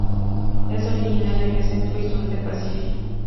Es originario de centro y sur del Pacífico.